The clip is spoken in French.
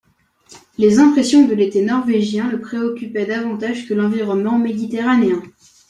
Les impressions de l'été norvégien le préoccupaient davantage que l'environnement méditerranéen.